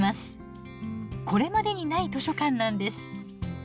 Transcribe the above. これまでにない図書館なんです。